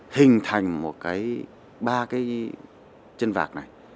hình thành một cái ba cái chân vạc này